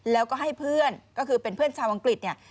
แล้วก็ให้เพื่อนก็คือเป็นเพื่อนชาวอังกฤษเนี่ย